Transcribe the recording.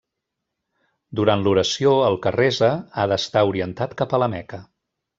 Durant l'oració el que resa ha d'estar orientat cap a la Meca.